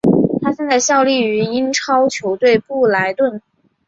他现在效力于英超球队布莱顿。